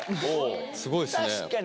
すごいっすね。